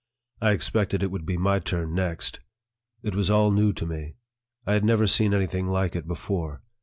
I expected it would be my turn next, It was all new to me. I had never seen any thing like it before.